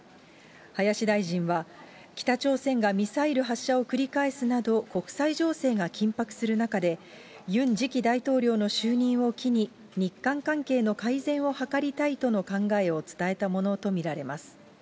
林大臣は、北朝鮮がミサイル発射を繰り返すなど、国際情勢が緊迫する中で、ユン次期大統領の就任を機に、日韓関係の改善を図りたいとの考えを伝えたものと見られます。